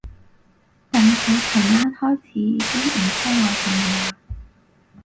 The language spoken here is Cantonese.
但佢噚晚開始已經唔聽我電話